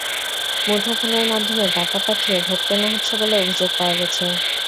মুঠোফোনের মাধ্যমে টাকা পাঠিয়ে ভোট কেনা হচ্ছে বলে অভিযোগ পাওয়া গেছে।